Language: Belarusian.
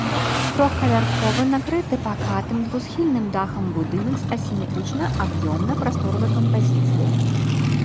Трохпавярховы накрыты пакатым двухсхільным дахам будынак з асіметрычнай аб'ёмна-прасторавай кампазіцыяй.